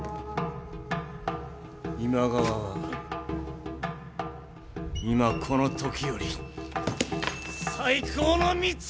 今川は、今この時より再興の道をいく。